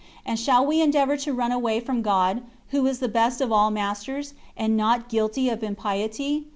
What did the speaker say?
And shall we endeavor to run away from God, who is the best of all masters, and not guilty of impeity?